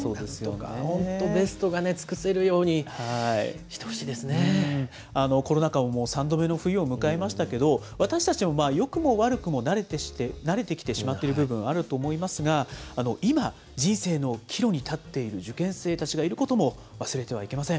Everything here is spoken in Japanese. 本当、ベストが尽くせるようコロナ禍ももう３度目の冬を迎えましたけど、私たちもよくも悪くも慣れてきてしまっている部分あると思いますが、今、人生の岐路に立っている受験生たちがいることも忘れてはいけません。